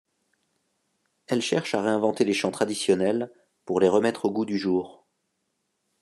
Elle cherche à réinventer les chants traditionnels, pour les remettre au goût du jour.